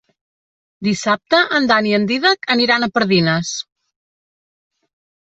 Dissabte en Dan i en Dídac aniran a Pardines.